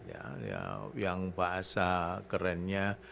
yang bahasa kerennya